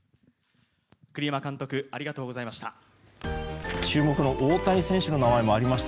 栗山監督ありがとうございました。